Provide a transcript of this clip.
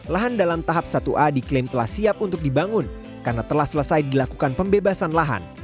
lahan dalam tahap satu a diklaim telah siap untuk dibangun karena telah selesai dilakukan pembebasan lahan